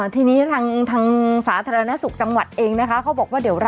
ติดตามเลยในช่วงของสมัครข่าวเด็ก